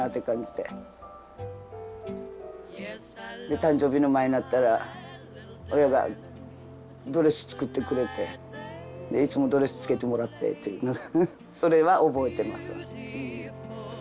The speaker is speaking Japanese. で誕生日の前になったら親がドレス作ってくれていつもドレスつけてもらってっていうのをそれは覚えてます。